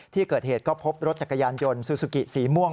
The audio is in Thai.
ที่เกิดเหตุก็พบรถจักรยานยนต์ซูซูกิสีม่วง